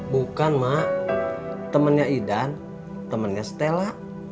bukan mak temennya idan temennya stella